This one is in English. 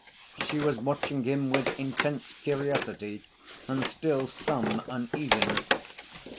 She was watching him with intense curiosity and still some uneasiness.